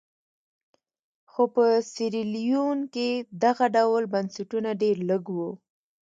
خو په سیریلیون کې دغه ډول بنسټونه ډېر لږ وو.